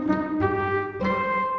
kalian like terus